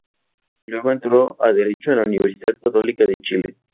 Luego entró a derecho en la Universidad Católica de Chile.